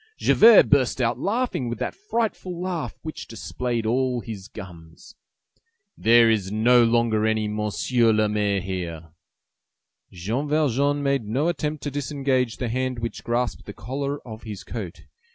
Javert burst out laughing with that frightful laugh which displayed all his gums. "There is no longer any Monsieur le Maire here!" Jean Valjean made no attempt to disengage the hand which grasped the collar of his coat.